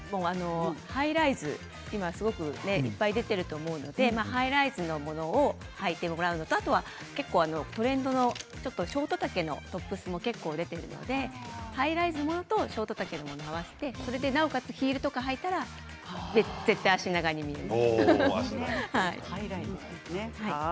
ハイライズ、今、すごくいっぱい出ていると思うのでハイライズのものをはいてもらうのと、あとはトレンドのちょっとショート丈のトップスも出ているのでハイライズのものとショート丈のものを合わせて、なおかつヒールとかを履いたら絶対、脚長とかに見える。